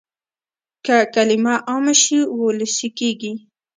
که کلمه عامه شي وولسي کېږي.